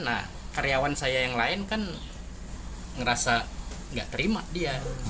nah karyawan saya yang lain kan ngerasa gak terima dia